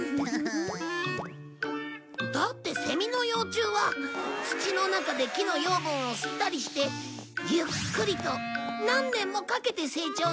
だってセミの幼虫は土の中で木の養分を吸ったりしてゆっくりと何年もかけて成長して。